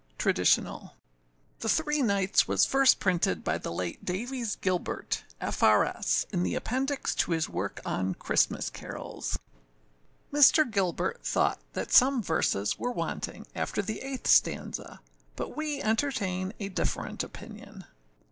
(TRADITIONAL.) [The Three Knights was first printed by the late Davies Gilbert, F.R.S., in the appendix to his work on Christmas Carols. Mr. Gilbert thought that some verses were wanting after the eighth stanza; but we entertain a different opinion.